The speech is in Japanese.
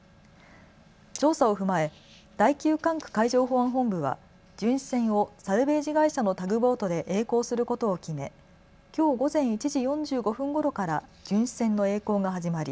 調査を踏まえ第９管区海上保安本部は巡視船をサルベージ会社のタグボートでえい航することを決めきょう午前１時４５分ごろから巡視船のえい航が始まり